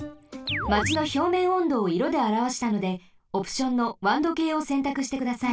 マチのひょうめんおんどをいろであらわしたのでオプションのワンどけいをせんたくしてください。